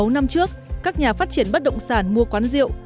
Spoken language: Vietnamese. sáu năm trước các nhà phát triển bất động sản mua quán rượu